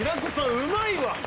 うまいわ！